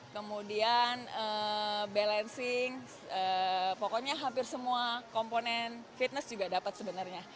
kemudian balancing pokoknya hampir semua komponen fitness juga dapat sebenarnya